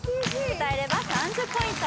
歌えれば３０ポイント